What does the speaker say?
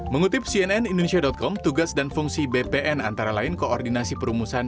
mengutip cnn indonesia com tugas dan fungsi bpn antara lain koordinasi perumusan